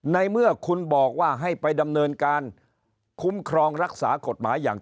ในเมื่อคุณบอกว่าให้ไปดำเนินการคุ้มครองรักษากฎหมายอย่าง